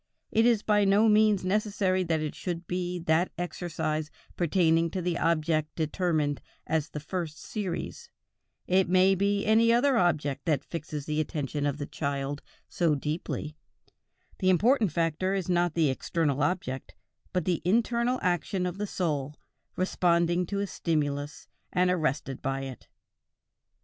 It is by no means necessary that it should be that exercise pertaining to the object determined as the first series; it may be any other object that fixes the attention of the child so deeply; the important factor is not the external object, but the internal action of the soul, responding to a stimulus, and arrested by it.